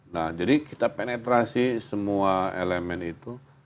nah jadi kita penetrasi semua elemen itu